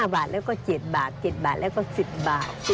๕บาทแล้วก็๗บาท๗บาทแล้วก็๑๐บาท